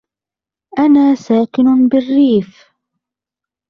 أنا ساكنٌ بالريف.